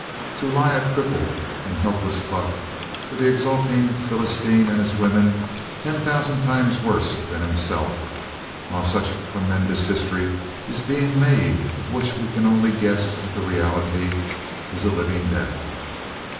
To lie a crippled and helpless butt for the exulting Philistine and his women ten thousand times worse than himself, while such tremendous history is being made of which we can only guess at the reality, is a living death.